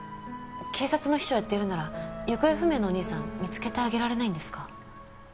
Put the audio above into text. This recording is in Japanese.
警察の秘書やってるなら行方不明のお兄さん見つけてあげられないんですか？